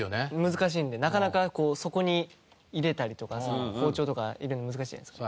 難しいんでなかなかこう底に入れたりとか包丁とか入れるの難しいじゃないですか。